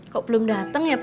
kok belum dateng ya bu